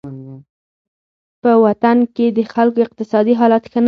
په وطن کې د خلکو اقتصادي حالت ښه نه دی.